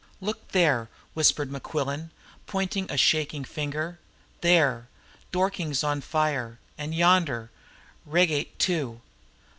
"Look there!" whispered Mequillen, pointing a shaking finger. "There Dorking's on fire! And yonder, Reigate, too!"